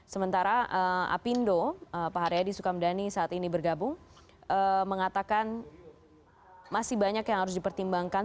sementara apindo pak haryadi sukamdhani saat ini bergabung mengatakan masih banyak yang harus dipertimbangkan